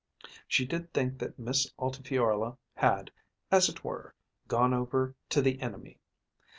She did think that Miss Altifiorla had, as it were, gone over to the enemy.